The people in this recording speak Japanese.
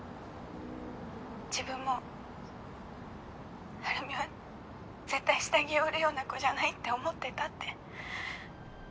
自分も晴美は絶対下着を売るような子じゃないって思ってたって。